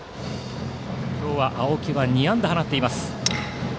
今日は青木は２安打放っています。